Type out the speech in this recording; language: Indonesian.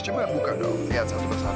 coba buka dong lihat satu persatu